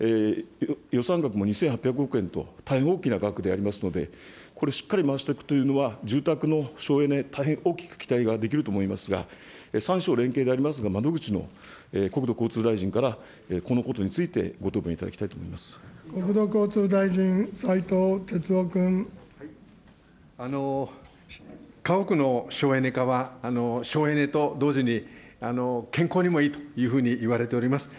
予算額も２８００億円と大変に大きな額でありますので、これしっかり回していくというのは、住宅の省エネ、大変大きく期待ができると思いますが、３省連携でありますが、窓口の国土交通大臣からこのことについて、国土交通大臣、家屋の省エネ化は、省エネと同時に、健康にもいいというふうにいわれております。